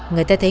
người ta thấy